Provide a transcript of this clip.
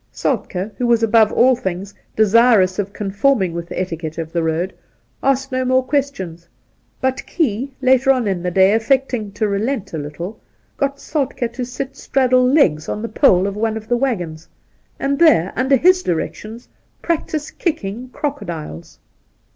Soltk4 who was above all things desirous of conforming with the etiquette of the road, asked no more questions ; but Key, later on in the day, affecting to relent a little, got Soltk^ to sit straddle legs on the pole of one of the waggons, and there, under his directions, practise kicking crocodiles.